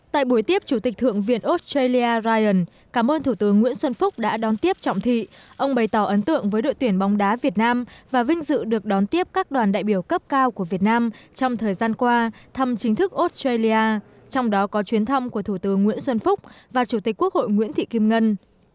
tại buổi tiếp chủ tịch thượng viện australia ryan cảm ơn thủ tướng nguyễn xuân phúc đã đón tiếp trọng thị ông bày tỏ ấn tượng với đội tuyển bóng đá việt nam và vinh dự được đón tiếp các đoàn đại biểu cấp cao của việt nam trong thời gian qua thăm chính thức australia trong đó có chuyến thăm của thủ tướng nguyễn xuân phúc và chủ tịch quốc hội nguyễn thị kim ngân